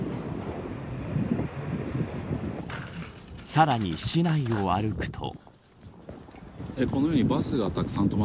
さらに市内を歩くと。